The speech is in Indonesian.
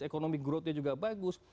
ekonomi growthnya juga bagus